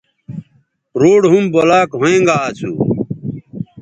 روڈ ھُم بلاکھوینگااسو